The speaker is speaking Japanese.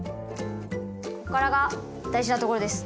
ここからが大事なところです。